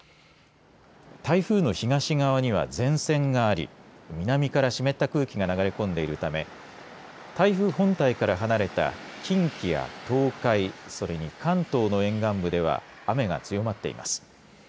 台風の東側には前線があり南から湿った空気が流れ込んでいるため台風本体から離れた近畿や東海それに関東の沿岸部では雨が強まっています。